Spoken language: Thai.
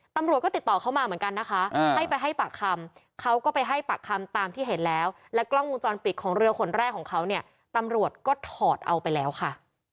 ตำรวจก็ติดต่อเขามาเหมือนกันนะคะให้ไปให้ปากคำเขาก็ไปให้ปากคำตามที่เห็นแล้วและกล้องวงจรปิดของเรือคนแรกของเขาเนี่ยตำรวจก็ถอดเอาไปแล้วค่ะ